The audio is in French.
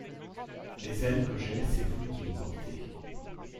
Les ailes que j’ai, c’est vous qui les portez.